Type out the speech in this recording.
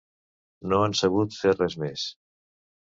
No han sabut fer res més...